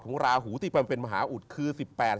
ของราหูที่เป็นมหาอุดคือ๑๘๒๓๖๙๓๖